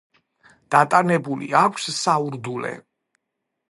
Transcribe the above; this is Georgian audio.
დატანებული აქვს საურდულე.